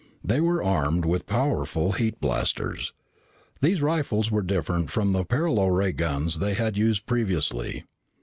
They were armed with powerful heat blasters. These rifles were different from the paralo ray guns they had used previously.